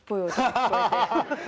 ハハハハハ！